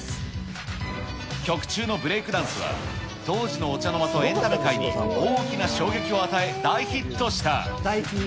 曲中のブレイクダンスは、当時のお茶の間とエンタメ界に大きな衝撃を与え、大ヒットした。